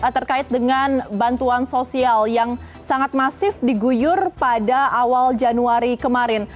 terkait dengan bantuan sosial yang sangat masif diguyur pada awal januari kemarin